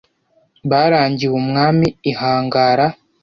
barangiwe umwami ihangara